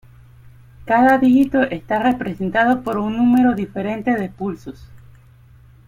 Cada dígito está representado por un número diferente de pulsos.